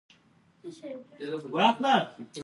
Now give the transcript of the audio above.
زموږ هوډ فولادي دی.